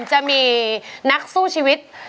จะมีนักสู้ชีวิต